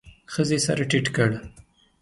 ښځې سر ټيت کړ.